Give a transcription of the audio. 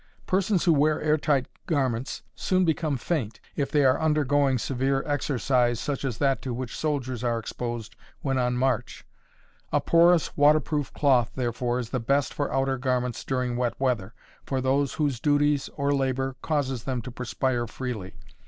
Persons who wear air tight garments soon become faint, if they are undergoing severe exercise, such as that to which soldiers are exposed when on march. A porous, water proof cloth, therefore, is the best for outer garments during wet weather, for those whose duties or labor causes them to perspire freely.